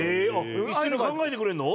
一緒に考えてくれるの？